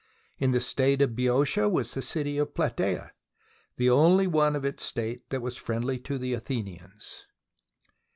In the state of Boeotia was the city of Platsea, the only one of its state that was friendly to the Athenians.